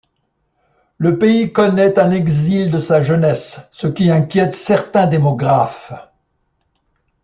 Le pays connaît un exil de sa jeunesse, ce qui inquiète certains démographes.